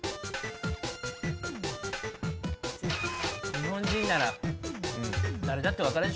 日本人なら誰だって分かるでしょ。